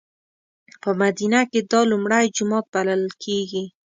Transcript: په مدینه کې دا لومړی جومات بللی کېږي.